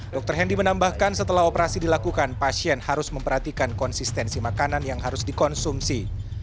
dr hendy menambahkan setelah operasi dilakukan pasien harus memperhatikan konsistensi makanan yang harus dikonsumsi